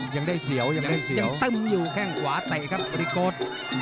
ยังได้เสียวยังต้มอยู่แค่งขวาเตะครับบริโกธ